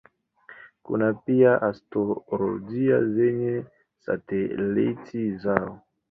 Kuna pia asteroidi zenye satelaiti zao.